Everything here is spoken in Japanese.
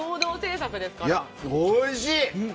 おいしい！